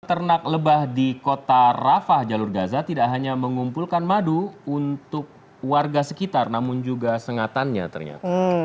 peternak lebah di kota rafah jalur gaza tidak hanya mengumpulkan madu untuk warga sekitar namun juga sengatannya ternyata